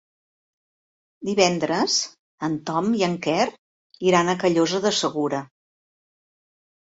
Divendres en Tom i en Quer iran a Callosa de Segura.